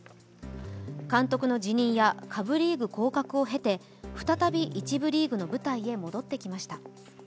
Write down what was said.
監督の辞任や下部リーグ降格を経て再び一部リーグの舞台へ戻ってきました。